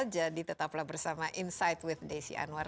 jadi tetaplah bersama insight with desy anwar